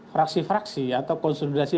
fraksi fraksi atau konsolidasi